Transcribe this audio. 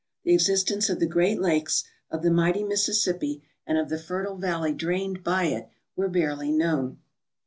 The existence of the Great Lakes, of the mighty Mississippi, and of the fertile valley drained by it were barely known.